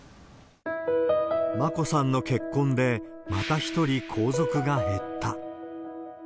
眞子さんの結婚で、また１人皇族が減った。